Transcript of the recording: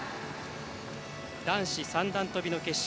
男子三段跳びの決勝。